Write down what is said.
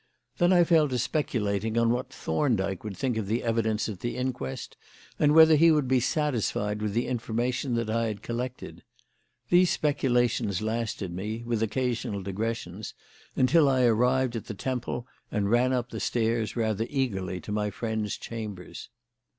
Then I fell to speculating on what Thorndyke would think of the evidence at the inquest and whether he would be satisfied with the information that I had collected. These speculations lasted me, with occasional digressions, until I arrived at the Temple and ran up the stairs rather eagerly to my friend's chambers.